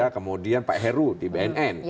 kemudian pak heru di bnn